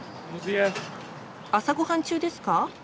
朝ごはん中ですか？